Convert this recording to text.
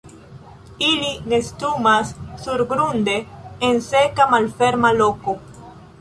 Ili nestumas surgrunde en seka malferma loko.